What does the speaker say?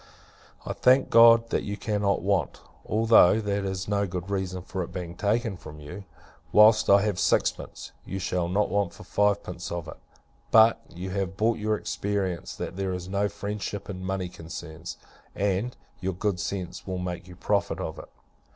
I thank God, that you cannot want; (although that is no good reason for its being taken from you:) whilst I have sixpence, you shall not want for fivepence of it! But, you have bought your experience, that there is no friendship in money concerns; and, your good sense will make you profit of it.